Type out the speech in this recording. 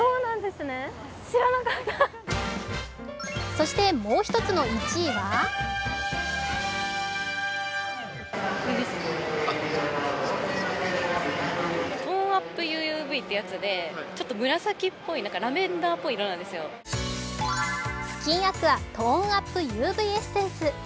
そしてもう一つの１位はスキンアクアトーンアップＵＶエッセンス。